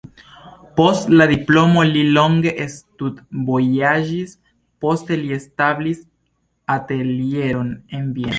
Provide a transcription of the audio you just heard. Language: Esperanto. Post la diplomo li longe studvojaĝis, poste li establis atelieron en Vieno.